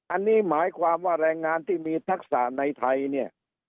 อันนี้หมายความว่าแรงงานที่มีทักษะในไทยเนี่ย